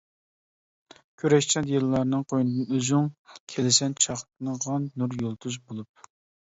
كۈرەشچان يىللارنىڭ قوينىدىن ئۆزۈڭ، كېلىسەن چاقنىغان نۇر يۇلتۇز بولۇپ.